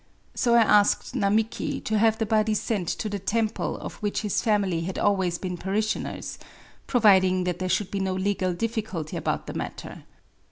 So I asked Namiki to have the body sent to the temple of which his family had always been parishioners, — providing that there should be no [legal] difficulty about the matter.